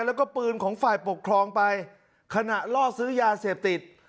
แล้วก็ปืนของฝ่ายปกครองไปขณะล่อซื้อยาเสพติด